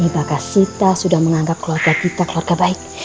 maka sita sudah menganggap keluarga kita keluarga baik